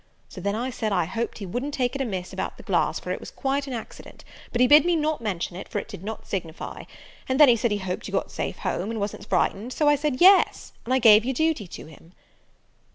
So then I said, I hoped he wouldn't take it amiss about the glass, for it was quite an accident; but he bid me not mention it, for it did not signify. And then he said he hoped you got safe home, and wasn't frightened so I said yes, and I gave your duty to him."